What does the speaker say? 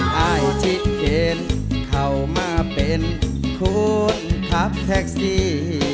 ได้ทิศเกณฑ์เข้ามาเป็นคุณขับแท็กซี